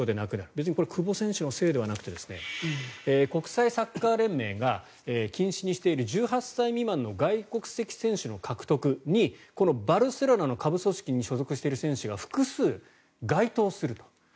別にこれは久保選手のせいではなくて国際サッカー連盟が禁止にしている１８歳未満の外国籍の選手の獲得にこのバルセロナの下部組織に所属している選手が複数、該当する。